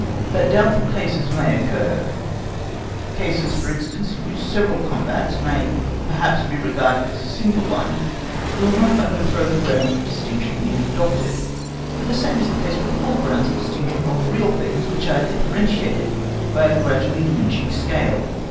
That doubtful cases may occur, cases, for instance, in which several combats may perhaps be regarded also as a single one, will not overthrow the ground of distinction we have adopted, for the same is the case with all grounds of distinction of real things which are differentiated by a gradually diminishing scale.